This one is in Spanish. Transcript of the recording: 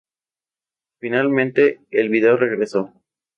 Finalmente, el vídeo regresó.